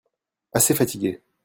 Assez fatigué.